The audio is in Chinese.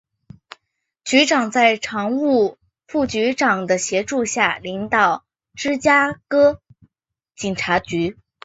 局长在常务副局长的协助下领导芝加哥警察局。